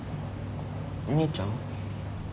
兄ちゃん？